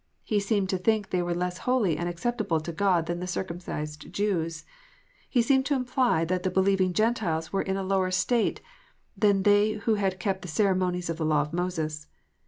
He seemed to think they were less holy and accept able to God than the circumcised Jews. He seemed to imply that the believing Gentiles were in a lower state than they who had kept the ceremonies of the law of Moses.